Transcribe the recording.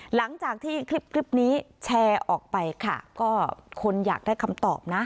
หลังจากที่คลิปนี้แชร์ออกไปค่ะก็คนอยากได้คำตอบนะ